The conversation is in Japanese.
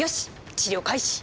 治療開始。